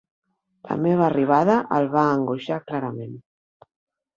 La meva arribada el va angoixar clarament.